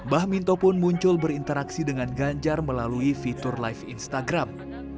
bah minto pun muncul berinteraksi dengan ganjar melalui fitur live instagram